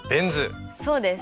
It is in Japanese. そうです。